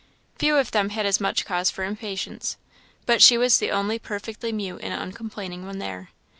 Few of them had as much cause for impatience; but she was the only perfectly mute and uncomplaining one there.